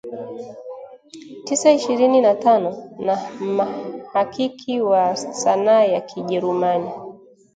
tisa ishirini na tano na mhakiki wa sanaa ya Kijerumani